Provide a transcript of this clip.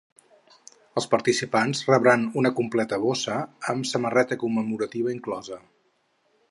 Els participants rebran una completa borsa amb samarreta commemorativa inclosa.